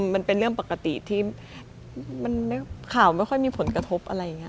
มันเป็นเรื่องปกติที่ข่าวไม่ค่อยมีผลกระทบอะไรอย่างนี้